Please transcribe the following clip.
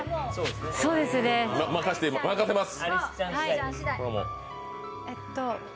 任せます。